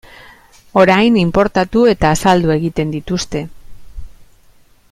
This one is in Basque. Orain inportatu eta saldu egiten dituzte.